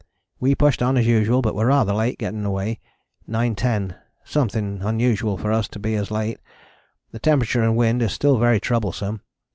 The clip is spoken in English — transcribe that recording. _ We pushed on as usual, but were rather late getting away, 9.10 something unusual for us to be as late. The temperature and wind is still very troublesome.